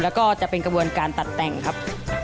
แล้วก็จะเป็นกระบวนการตัดแต่งครับ